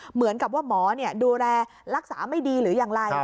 เหมือนกับว่าหมอดูแลรักษาไม่ดีหรืออย่างไร